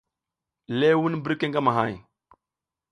Lewun birke ngamahay.